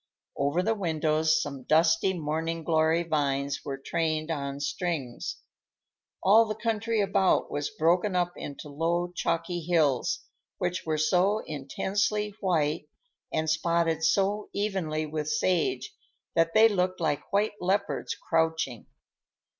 Over the windows some dusty morning glory vines were trained on strings. All the country about was broken up into low chalky hills, which were so intensely white, and spotted so evenly with sage, that they looked like white leopards crouching.